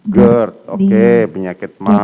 gerd oke penyakit mak